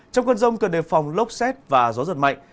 trong cơn rông cần đề phòng lốc xét và gió giật mạnh